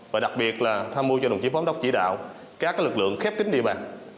và đặc biệt là tham mưu cho đồng chí phóng đốc chỉ đạo các lực lượng khép tính địa bàn